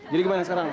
jadi gimana sekarang